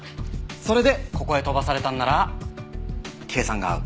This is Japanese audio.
それでここへ飛ばされたんなら計算が合う。